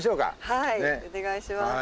はいお願いします。